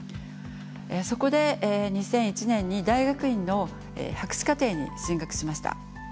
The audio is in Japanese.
そこで２００１年に大学院の博士課程に進学しました。